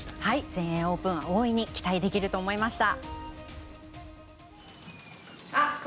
全英オープン大いに期待できると思いました。